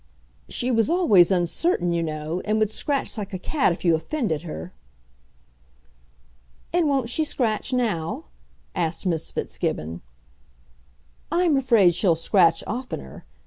"She was always uncertain, you know, and would scratch like a cat if you offended her." "And won't she scratch now?" asked Miss Fitzgibbon. "I'm afraid she'll scratch oftener.